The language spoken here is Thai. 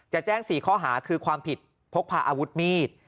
จะแจ้ง๔ข้อหาคือความผิดพกพาอาวุธมีด